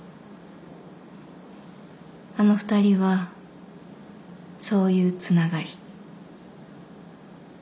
あの２人はそういうつながり。